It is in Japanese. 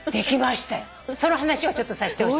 その話をちょっとさせてほしい。